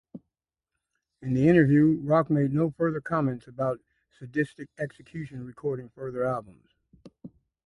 In the interview, Rok made no further comments about Sadistik Exekution recording further albums.